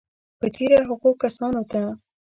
په تېره هغو کسانو ته